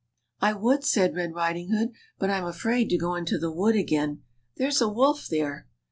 " I would," said Red Riding hood, but I'm afraid to go into the wood again ; there's a wolf there.